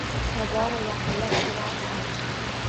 Tobora yaqinlab kelardi. Ana!